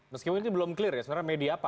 meskipun ini belum clear ya sebenarnya media apa